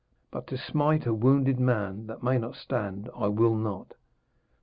But to smite a wounded man that may not stand, I will not.'